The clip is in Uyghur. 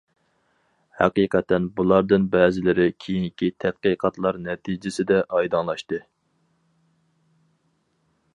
ھەقىقەتەن، بۇلاردىن بەزىلىرى كېيىنكى تەتقىقاتلار نەتىجىسىدە ئايدىڭلاشتى.